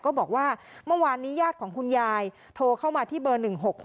ก็บอกว่าเมื่อวานนี้ญาติของคุณยายโทรเข้ามาที่เบอร์๑๖๖